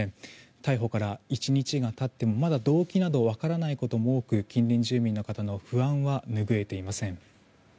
逮捕から１日が経ってもまだ動機など分からないことも多く近隣住民の方の不安は拭えていません。